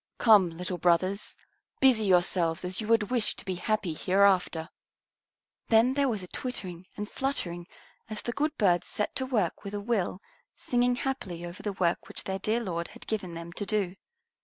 Come, little brothers, busy yourselves as you would wish to be happy hereafter." Then there was a twittering and fluttering as the good birds set to work with a will, singing happily over the work which their dear Lord had given them to do.